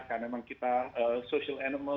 karena memang kita social animal